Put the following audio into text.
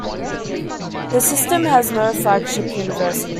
The system has no flagship university.